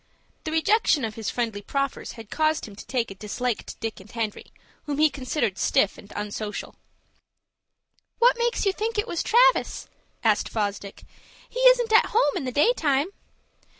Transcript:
The rejection of his friendly proffers had caused him to take a dislike to Dick and Henry, whom he considered stiff and unsocial. "What makes you think it was Travis?" asked Fosdick. "He isn't at home in the daytime."